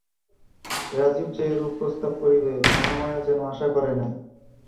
রাজীব যে এরূপ প্রস্তাব করিবে মহামায়া যেন আশা করে নাই।